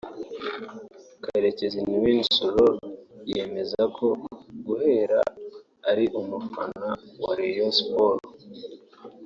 Karekezi Niwin Sorlu yemeza ko guhera ari umufana wa Rayon sports/Photo